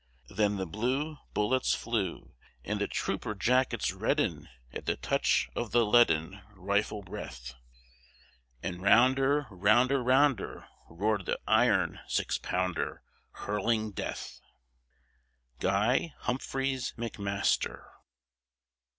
Then the blue Bullets flew, And the trooper jackets redden at the touch of the leaden Rifle breath; And rounder, rounder, rounder, roared the iron six pounder, Hurling Death. GUY HUMPHREYS MCMASTER.